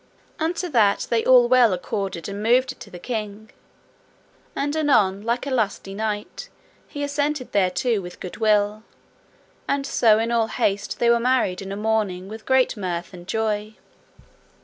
Unto that they all well accorded and moved it to the king. And anon, like a lusty knight, he assented thereto with good will, and so in all haste they were married in a morning with great mirth and joy.